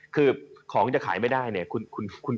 คือของจะขายไม่ได้เนี่ย